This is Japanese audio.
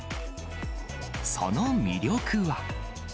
その魅力は。